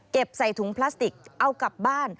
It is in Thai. ใส่ถุงพลาสติกเอากลับบ้าน